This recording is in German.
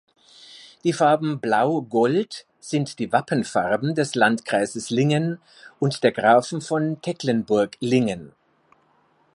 Die Farben Blau-Gold sind die Wappenfarben des Landkreises Lingen und der Grafen von Tecklenburg-Lingen.